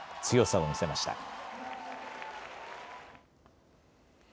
強さを見せました。